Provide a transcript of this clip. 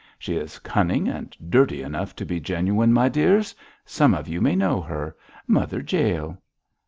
'She is cunning and dirty enough to be genuine, my dears. Some of you may know her. Mother Jael!'